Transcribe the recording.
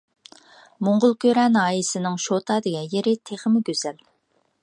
موڭغۇلكۈرە ناھىيەسىنىڭ شوتا دېگەن يېرى تېخىمۇ گۈزەل.